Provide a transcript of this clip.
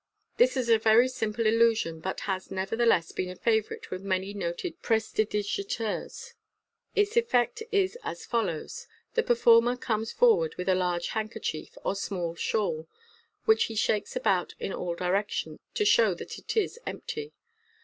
— This is a very simple illusion, but has nevertheless been a favourite with many noted prestidigitateurs. Its effect is as follows :— The perform* r comes forward with a large handkerchief, or small shawl, which he shakes about in all directions, to show that it is empty.